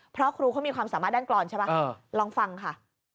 เพราะครูเขามีความสามารถด้านกรอนใช่ไหมลองฟังค่ะ